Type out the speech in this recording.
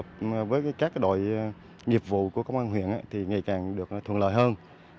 phối hợp với các đội nhiệm vụ của công an huyện thì ngày càng được thuận lợi hơn